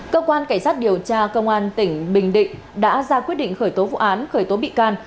cơ quan cảnh sát điều tra công an tỉnh bình định đã ra quyết định khởi tố vụ án khởi tố bị can